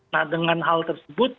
nah dengan hal tersebut